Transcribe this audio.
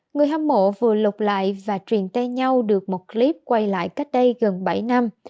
người hâm mộ vừa lục lại và truyền tay nhau được một clip quay lại cách đây gần bảy năm